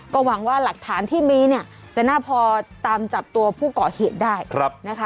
ก็หวังว่าหลักฐานที่มีเนี่ยจะน่าพอตามจับตัวผู้ก่อเหตุได้นะคะ